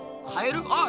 あっ！